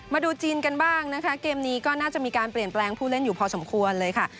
มาดูจีนกันบ้างนะคะเกมนี้ก็น่าจะมีการเปลี่ยนแปลงผู้เล่นอยู่พอสมควรเลยค่ะ